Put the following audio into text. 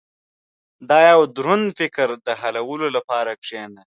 • د یو دروند فکر د حلولو لپاره کښېنه.